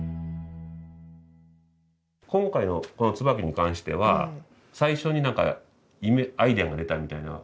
今回のこの椿に関しては最初になんかアイデアが出たみたいな。